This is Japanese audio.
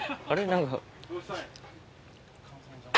何か。